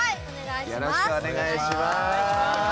よろしくお願いします。